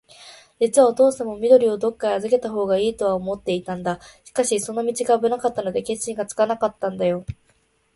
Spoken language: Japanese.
じつはおとうさんも、緑をどっかへあずけたほうがいいとは思っていたんだ。しかし、その道があぶないので、決心がつかないんだよ。